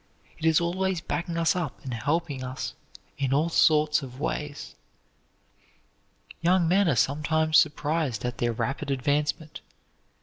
It is always backing us up and helping us in all sorts of ways. Young men are sometimes surprised at their rapid advancement.